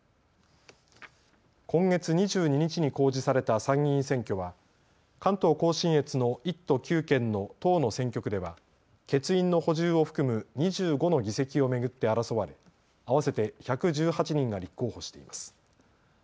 今月２２日に公示された参議院選挙は関東甲信越の１都９県の１０の選挙区では欠員の補充を含む２５の議席を巡って争われ、合わせて１１８人が立候補しています。